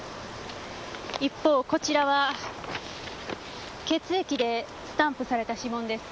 一方こちらは血液でスタンプされた指紋です。